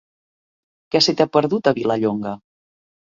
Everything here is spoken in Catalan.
Què se t'hi ha perdut, a Vilallonga?